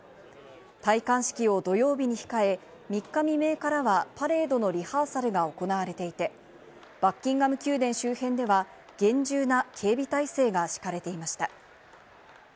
戴冠式を土曜日に控え、３日未明にはパレードのリハーサルが行われていて、バッキンガム宮殿周辺では厳重な警備態勢が敷かれていました。